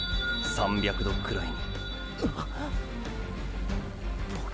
３００℃ぐらいに！！